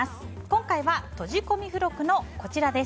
今回は、とじ込み付録のこちら。